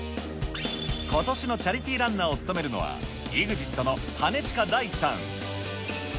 ことしのチャリティーランナーを務めるのは、ＥＸＩＴの兼近大樹さん。